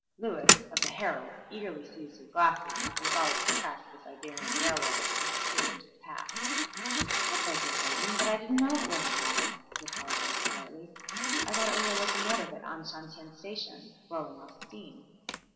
Lewis, of the Herald, eagerly seized his glasses and followed the track of the Siberian railway as it disappeared into the pass. "I beg your pardon, but I didn't know it was a battle," he apologized politely. "I thought it was a locomotive at Anshantien Station blowing off steam."